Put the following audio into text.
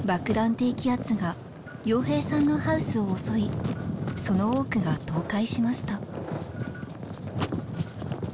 低気圧が洋平さんのハウスを襲いその多くが倒壊しました。